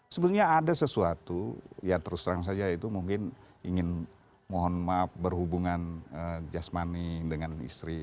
sebetulnya ada sesuatu ya terus terang saja itu mungkin ingin mohon maaf berhubungan jasmani dengan istri